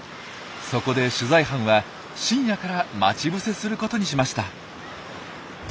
そこで取材班は深夜から待ち伏せすることにしました。